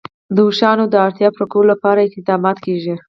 د اوښانو د اړتیاوو پوره کولو لپاره اقدامات کېږي.